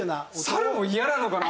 サルも嫌なのかな？